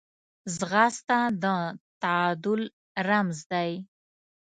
ځغاسته د تعادل رمز دی